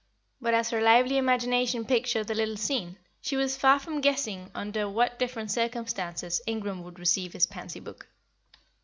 But as her lively imagination pictured the little scene, she was far from guessing under what different circumstances Ingram would receive his pansy book.